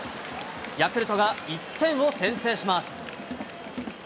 ヤクルトが１点を先制します。